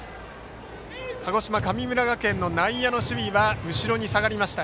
鹿児島・神村学園の内野の守備は後ろに下がりました。